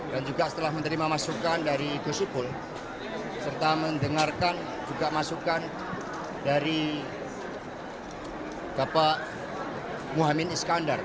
dan juga setelah menerima masukan dari gus ipul serta mendengarkan juga masukan dari bapak mohaimin iskandar